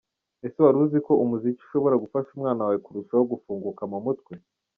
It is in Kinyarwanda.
Ese wari uzi ko umuziki ushobora gufasha umwana wawe kurushaho gufunguka mu mutwe?.